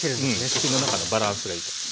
口の中のバランスがいいと。